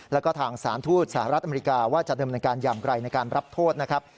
แล้วก็ทางสารทูตสหรัฐอเมริกาว่าจะดำเนินการอย่างไรในการรับโทษนะครับ